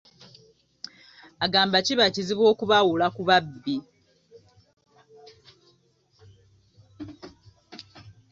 Agamba kiba kizibu okubaawula ku babbi.